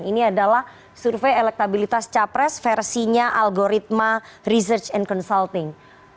ini adalah survei elektabilitas capres versinya algoritma research and consulting